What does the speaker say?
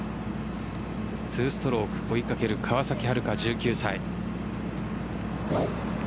２ストローク追いかける、川崎春花１９歳。